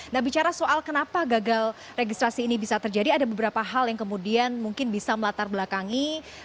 nah bicara soal kenapa gagal registrasi ini bisa terjadi ada beberapa hal yang kemudian mungkin bisa melatar belakangi